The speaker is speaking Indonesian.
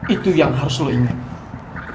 itu yang harus lo ingat